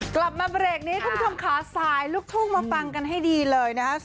กลับมาเบรกนี้คุณผู้ชมค่ะสายลูกทุ่งมาฟังกันให้ดีเลยนะครับ